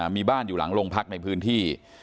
มีบ้านอยู่หลังโรงพักในพื้นที่